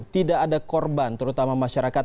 tidak ada korban terutama masyarakat